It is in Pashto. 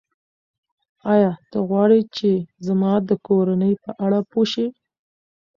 ایا ته غواړې چې زما د کورنۍ په اړه پوه شې؟